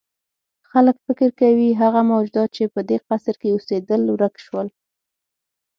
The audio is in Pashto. خلک فکر کوي هغه موجودات چې په دې قصر کې اوسېدل ورک شول.